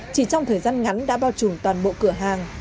chỉ trong thời gian ngắn đã bao trùm toàn bộ cửa hàng